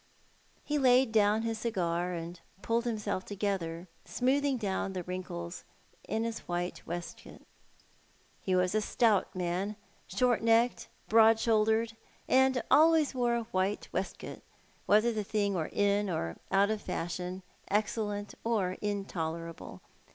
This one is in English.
He laid down his cigar, and pulled himself together, smoothing down the wrinkles in his white waistcoat. He was a stout man, short necked, broad shouldered, and always wore a white waistcoat, whether the thing were in or out of fashion, excellent or intolerable.